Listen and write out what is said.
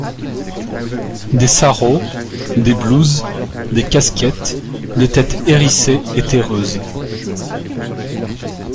Des sarraus, des blouses, des casquettes, des têtes hérissées et terreuses.